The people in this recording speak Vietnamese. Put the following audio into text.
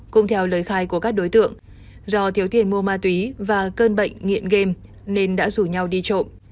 cũng theo lời khai của các đối tượng do thiếu tiền mua ma túy và cơn bệnh nghiện game nên đã rủ nhau đi trộm